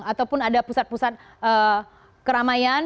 ataupun ada pusat pusat keramaian